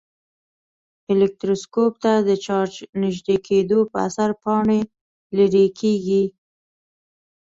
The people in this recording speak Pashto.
الکتروسکوپ ته د چارج نژدې کېدو په اثر پاڼې لیري کیږي.